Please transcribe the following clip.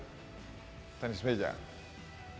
saat menyebut nama david yako tenis meja